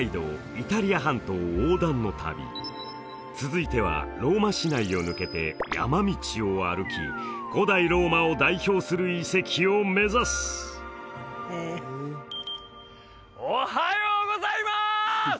イタリア半島横断の旅続いてはローマ市内を抜けて山道を歩き古代ローマを代表する遺跡を目指すおはようございます！